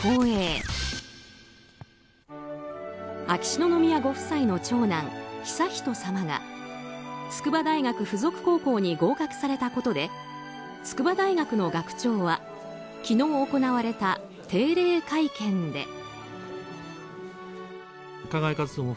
秋篠宮ご夫妻の長男悠仁さまが筑波大学附属高校に合格されたことで筑波大学の学長は昨日行われた定例会見で。